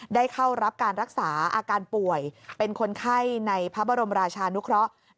ได้เข้ารับการรักษาอาการป่วยเป็นคนไข้ในพระบรมราชานุเคราะห์